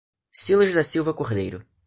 Cilas da Silva Cordeiro